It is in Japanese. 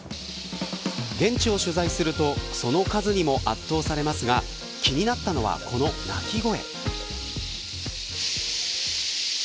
現地を取材するとその数にも圧倒されますが気になったのはこの鳴き声。